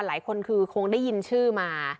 หลายคนคือคงได้ยินชื่อมา